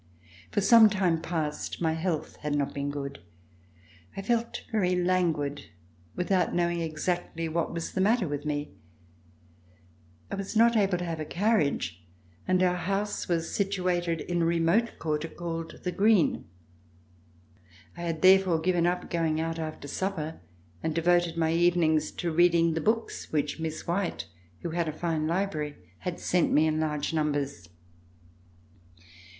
For some time past my health had not been good. I felt very languid, without knowing exactly what was the matter with me. I was not able to have a carriage, and our house was situated in a remote quarter called "The Green." I had therefore given up going out after supper and devoted my evenings to reading the books which Miss White, who had a fine library, had sent me in large numbers.